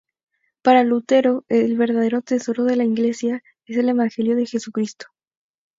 Para Lutero, el verdadero tesoro de la Iglesia es el evangelio de Jesucristo.